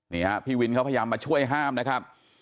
นี่ฮะพี่วินเขาพยายามมาช่วยห้ามนะครับ